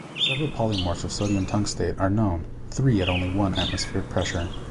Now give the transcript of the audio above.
Several polymorphs of sodium tungstate are known, three at only one atmosphere pressure.